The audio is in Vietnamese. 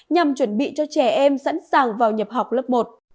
nhằm chuẩn bị cho trẻ em sẵn sàng vào nhập học lớp một